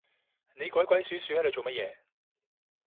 你鬼鬼鼠鼠係度做乜嘢